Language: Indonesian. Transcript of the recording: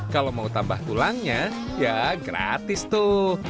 kalau mau tambah tulangnya ya gratis tuh